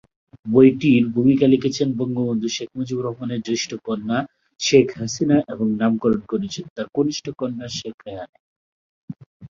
বইটির ভূমিকা লিখেছেন বঙ্গবন্ধু শেখ মুজিবুর রহমানের জ্যেষ্ঠ কন্যা শেখ হাসিনা এবং নামকরণ করেছেন তাঁর কনিষ্ঠ কন্যা শেখ রেহানা।